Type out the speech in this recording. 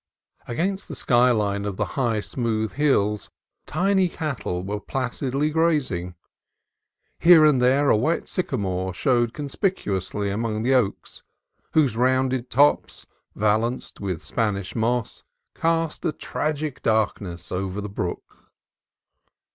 Against the sky line of the high, smooth hills tiny cattle were placidly grazing. Here and there a white sycamore showed conspicuously among the oaks, whose rounded tops, valanced with Spanish moss, cast a tragic darkness over the brook.